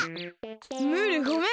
ムールごめん！